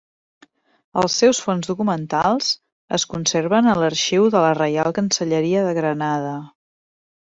Els seus fons documentals es conserven a l'Arxiu de la Reial Cancelleria de Granada.